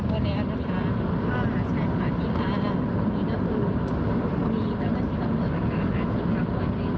ครูตี้เป้ดเตี้้งกรุงป้ากับลุงนี่ไว้